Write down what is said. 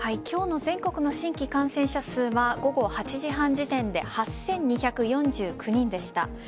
今日の全国の新規感染者数は午後８時半時点で８２４９人でした。